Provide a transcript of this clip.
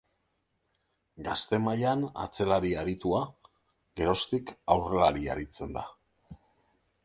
Gazte mailan atzelari aritua, geroztik aurrelari aritzen da.